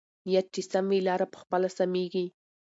نیت چې سم وي، لاره پخپله سمېږي.